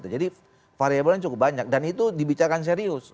jadi variabelnya cukup banyak dan itu dibicarakan serius